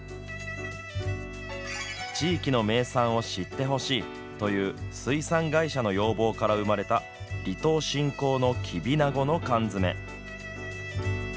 地域の名産を知ってほしいという水産会社の要望から生まれた離島振興のきびなごの缶詰。